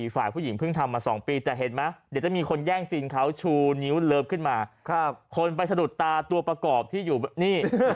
ฝ่ายผู้ชายเป็นกู้ไพดิ์มา๕ปี